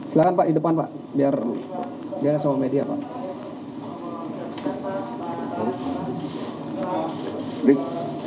silahkan pak di depan pak biar sama media pak